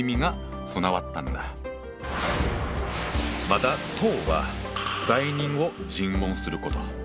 また「討」は罪人を尋問すること。